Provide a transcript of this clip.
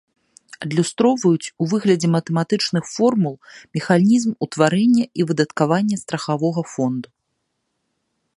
Адлюстроўваюць у выглядзе матэматычных формул механізм утварэння і выдаткавання страхавога фонду.